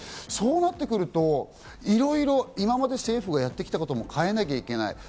そうなってくるといろいろ、今まで政府がやってきたことも変えなきゃいけない。